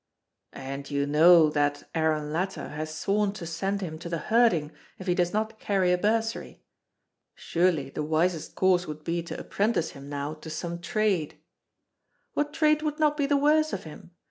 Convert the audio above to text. "And you know that Aaron Latta has sworn to send him to the herding if he does not carry a bursary. Surely the wisest course would be to apprentice him now to some trade " "What trade would not be the worse of him?